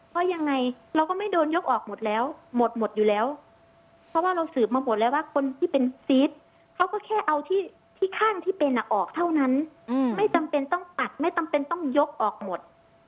เพราะยังไงเราก็ไม่โดนยกออกหมดแล้วหมดหมดอยู่แล้วเพราะว่าเราสืบมาหมดแล้วว่าคนที่เป็นซีสเขาก็แค่เอาที่ข้างที่เป็นออกเท่านั้นไม่จำเป็นต้องตัดไม่จำเป็นต้องยกออกหมด